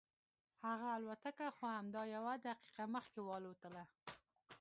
هغه الوتکه خو همدا یوه دقیقه مخکې والوتله.